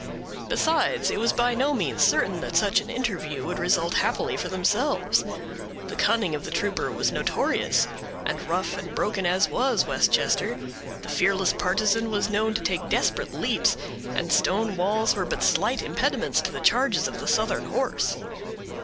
Besides, it was by no means certain that such an interview would result happily for themselves. The cunning of the trooper was notorious; and rough and broken as was Westchester, the fearless partisan was known to take desperate leaps, and stone walls were but slight impediments to the charges of the Southern horse.